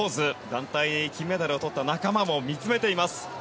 団体で金メダルをとった仲間も見つめています。